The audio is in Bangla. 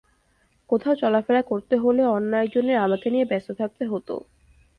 কোথাও চলাফেরা করতে হলে অন্য একজনের আমাকে নিয়ে ব্যস্ত থাকতে হতো।